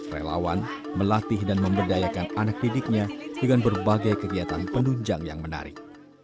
relawan melatih dan memberdayakan anak didiknya dengan berbagai kegiatan penunjang yang menarik